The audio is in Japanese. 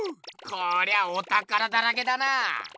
こりゃあおたからだらけだな。